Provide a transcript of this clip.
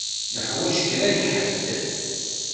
Nuḥwaǧ kra n ḥedd.